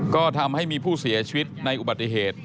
ก็ทำให้มีผู้เสียชีวิตในอุบัติเหตุ